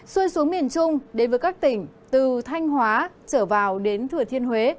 xuôi xuống miền trung đến với các tỉnh từ thanh hóa trở vào đến thừa thiên huế